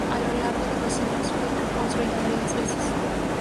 A lo largo de los siglos, fue reconstruida varias veces.